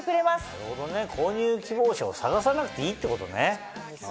なるほどね購入希望者を探さなくていいってことね。